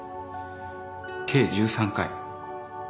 計１３回。